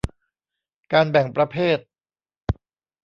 การแบ่งประเภท